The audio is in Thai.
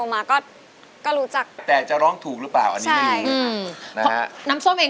มาฟังเพลงใหม่กันหมดแล้ว